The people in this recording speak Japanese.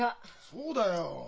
そうだよ。